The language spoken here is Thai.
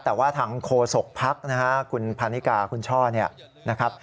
แต่ว่าทั้งโคศกภักดิ์นะครับคุณพาณิกาคุณช่อนะครับ